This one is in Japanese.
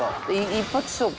一発勝負。